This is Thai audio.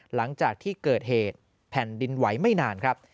หลังจากที่เกิดเหตุแผ่นดินไหวไม่นานครับ